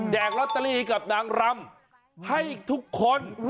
ลอตเตอรี่กับนางรำให้ทุกคน